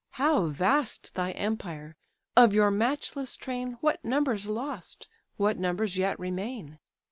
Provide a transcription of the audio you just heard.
How vast thy empire! Of your matchless train What numbers lost, what numbers yet remain!